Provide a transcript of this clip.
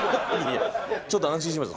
ちょっと安心しました。